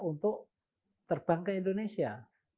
untuk terbang ke indonesia